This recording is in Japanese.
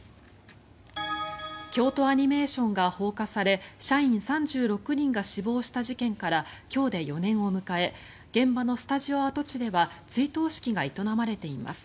京都アニメーションが放火され社員３６人が死亡した事件から今日で４年を迎え現場のスタジオ跡地では追悼式が営まれています。